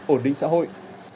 ổn định xã hội